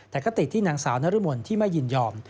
แต่คติที่นางสาวนรมนที่ไม่ยินยอม